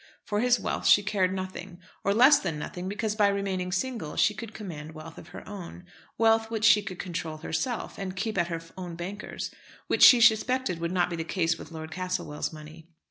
For his wealth she cared nothing, or less than nothing, because by remaining single she could command wealth of her own; wealth which she could control herself, and keep at her own banker's, which she suspected would not be the case with Lord Castlewell's money.